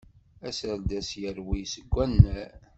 Aserdas yerwel seg wannar.